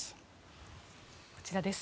こちらです。